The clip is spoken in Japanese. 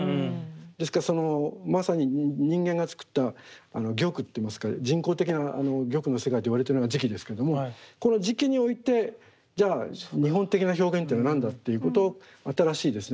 ですからまさに人間が作った玉っていいますか人工的な玉の世界といわれてるのが磁器ですけどもこの磁器においてじゃあ日本的な表現っていうのは何だっていうこと新しいですね